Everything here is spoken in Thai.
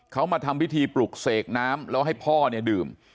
เขามาทำพิธีปลุกเสกน้ำแล้วให้พ่อเนี่ยดื่ม